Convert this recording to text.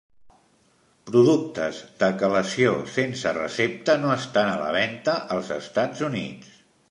Productes de quelació sense recepta no estan a la venta als Estats Units.